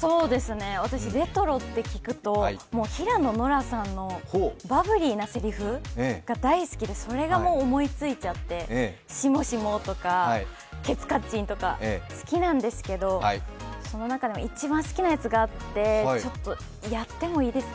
私、レトロって聞くと平野ノラさんのバブリーなセリフが大好きでそれがもう思いついちゃってしもしもとかケツカッチンとか、好きなんですけど、その中でも一番好きなやつがあって、ちょっとやってもいいですか？